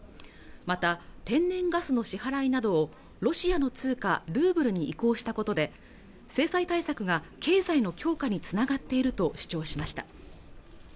また天然ガスの支払いなどをロシアの通貨ルーブルに移行したことで制裁対策が経済の強化につながっていると主張しました